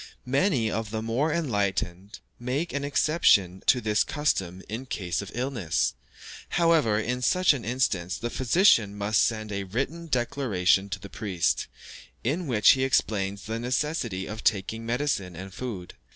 Many of the more enlightened make an exception to this custom in cases of illness; however, in such an instance the physician must send a written declaration to the priest, in which he explains the necessity of taking medicine and food.